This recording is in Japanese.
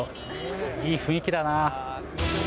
いい雰囲気だな。